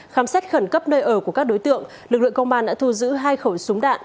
khám xét khẩn cấp nơi ở của các đối tượng lực lượng công an đã thu giữ hai khẩu súng đạn